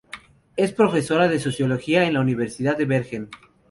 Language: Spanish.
Es profesora de Sociología en la Universidad de Bergen.